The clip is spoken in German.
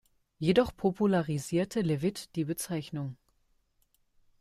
Jedoch popularisierte Levitt die Bezeichnung.